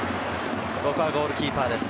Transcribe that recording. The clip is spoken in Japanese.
ここはゴールキーパーです。